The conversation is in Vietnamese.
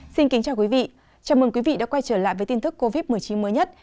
xin kính chào quý vị chào mừng quý vị đã quay trở lại với tin tức covid một mươi chín mới nhất